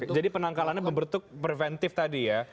karena membentuk preventif tadi ya